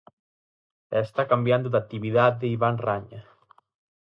E está cambiando de actividade Iván Raña.